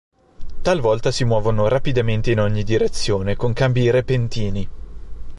Talvolta, si muovono rapidamente in ogni direzione, con cambi repentini.